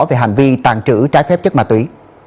về hành vi tàn trữ trái phép chất ma túy